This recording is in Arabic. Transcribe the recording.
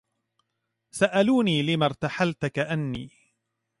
سألوني لم ارتحلت كأني